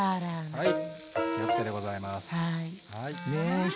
はい。